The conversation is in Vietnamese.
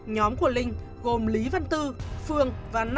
nhóm của linh gồm lý văn tư phương và đại ca